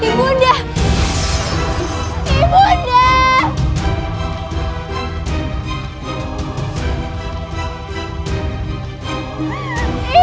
dimana aku berada saat ini